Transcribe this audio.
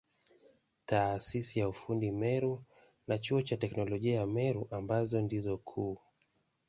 Taasisi ya ufundi Meru na Chuo cha Teknolojia ya Meru ambazo ndizo kuu.